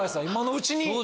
今のうちに。